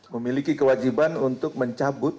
memiliki kewajiban untuk mencabut